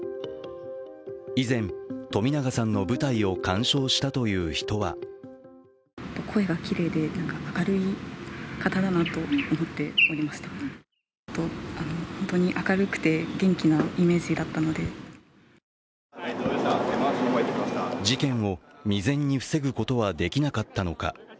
以前、冨永さんの舞台を鑑賞したという人は事件を未然に防ぐことはできなかったのか。